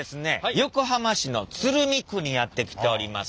横浜市の鶴見区にやって来ております。